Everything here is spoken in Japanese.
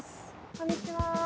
こんにちは。